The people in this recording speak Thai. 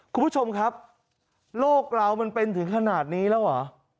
คุณผู้ชมครับโลกเรามันเป็นถึงขนาดนี้แล้วเหรอ